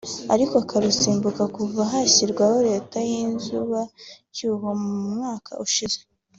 ariko akarusimbuka kuva hashyirwaho leta y’inzubacyuho mu mwaka ushize